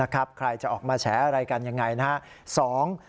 ใครจะออกมาแฉอะไรกันยังไงนะครับ